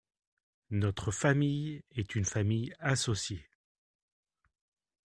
Notre famille est une famille associée.